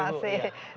terima kasih banyak